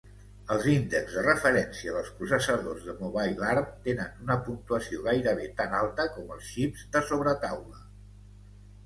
Els índexs de referència dels processadors de Mobile Arm tenen una puntuació gairebé tan alta com els xips de sobretaula.